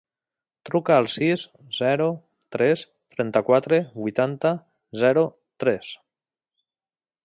Truca al sis, zero, tres, trenta-quatre, vuitanta, zero, tres.